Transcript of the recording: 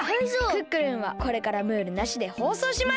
「クックルン」はこれからムールなしでほうそうします！